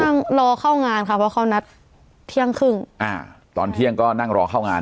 นั่งรอเข้างานค่ะเพราะเขานัดเที่ยงครึ่งอ่าตอนเที่ยงก็นั่งรอเข้างาน